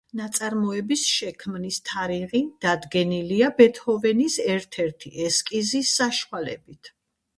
ნაწარმოების შექმნის თარიღი დადგენილია ბეთჰოვენის ერთ-ერთი ესკიზის საშუალებით.